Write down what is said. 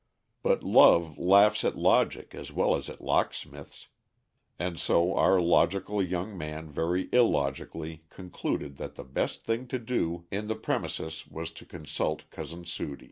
But love laughs at logic as well as at locksmiths, and so our logical young man very illogically concluded that the best thing to do in the premises was to consult Cousin Sudie.